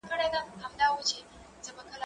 زه به قلمان پاک کړي وي؟!